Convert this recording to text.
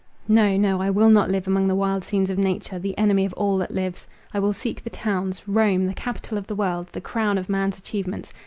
No, no, I will not live among the wild scenes of nature, the enemy of all that lives. I will seek the towns—Rome, the capital of the world, the crown of man's achievements.